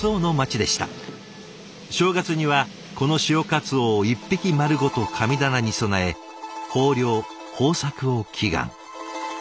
正月にはこの潮かつおを１匹丸ごと神棚に供え豊漁・豊作を祈願。